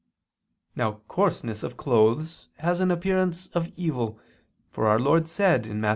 Now coarseness of clothes has an appearance of evil; for our Lord said (Matt.